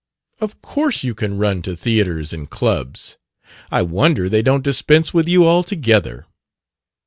Of course you can run to theatres and clubs. I wonder they don't dispense with you altogether!"